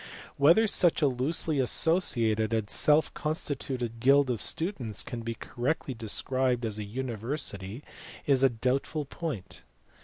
Whether such a loosely associated and self constituted guild of students can be correctly de scribed as a university is a doubtful point.